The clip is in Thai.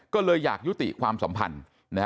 ก็เลยอยากยุติความสัมพันธ์